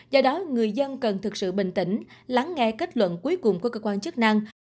do đó người dân cần thực sự bình tĩnh lắng nghe kết luận cuối cùng của cơ quan chức năng